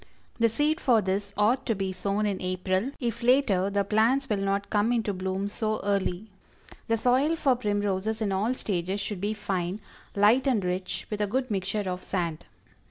The seed for this ought to be sown in April if later the plants will not come into bloom so early. The soil for Primroses in all stages should be fine, light and rich, with a good mixture of sand.